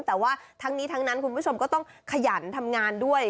แต่ว่าทั้งนี้ทั้งนั้นคุณผู้ชมก็ต้องขยันทำงานด้วย